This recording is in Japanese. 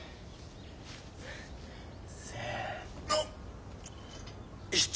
せの！